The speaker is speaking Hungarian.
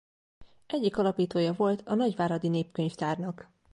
Egyik alapítója volt a nagyváradi Népkönyvtárnak.